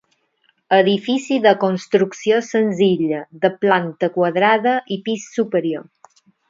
Edifici de construcció senzilla, de planta quadrada i pis superior.